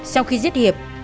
sau khi giết hiệp